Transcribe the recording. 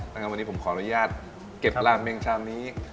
วันนี้ผมขออนุญาตเก็บรามเมงชามนี้